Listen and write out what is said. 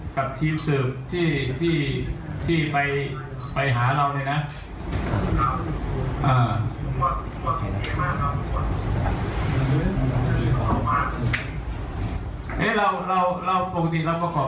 เราซื้อมาราคา๒๐๒๕บาทแล้วเอาไปขายเท่าไหร่นะ